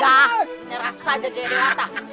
sudah nyerah saja jayadewata